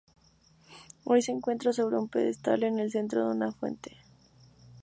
Hoy se encuentra sobre un pedestal, en el centro de una fuente.